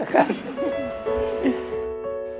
ค่ะ